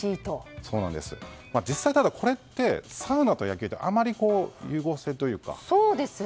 実際、サウナと野球ってあまり融合性というか。